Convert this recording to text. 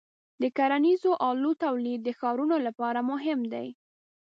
د کرنیزو آلو تولید د ښارونو لپاره مهم دی.